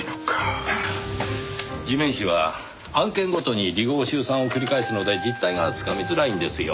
地面師は案件ごとに離合集散を繰り返すので実態が掴みづらいんですよ。